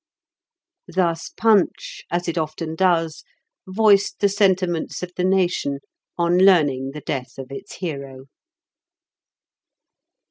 Thus Punch, as it often does, voiced the sentiments of the nation on learning the death of its hero.